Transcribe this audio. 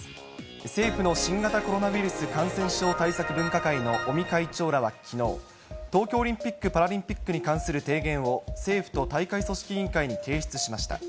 政府の新型コロナウイルス感染症対策分科会の尾身会長らはきのう、東京オリンピック・パラリンピックに関する提言を政府と大会組織委員会に提出しました。